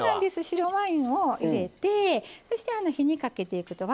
白ワインを入れてそして火にかけていくと。